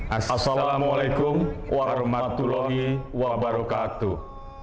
assalamualaikum warahmatullahi wabarakatuh